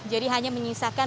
jadi hanya menyisakan